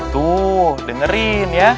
tuh dengerin ya